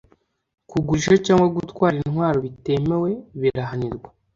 Kugurisha cyangwa gutwara intwaro bitemewe birahanirwa